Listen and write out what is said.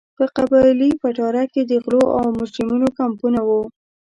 په قبایلي پټاره کې د غلو او مجرمینو کمپونه وو.